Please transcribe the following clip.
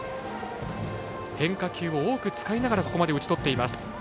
変化球を多く使いながらここまで打ち取っています。